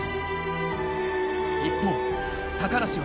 一方、高梨は。